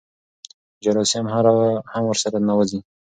جراثیم هم ورسره ننوځي.